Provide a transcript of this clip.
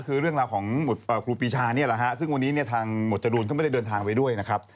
คือเรื่องราวของครูปีชานี่แหละฮะซึ่งวันนี้เนี่ยทางหมวดจรูนก็ไม่ได้เดินทางไปด้วยนะครับ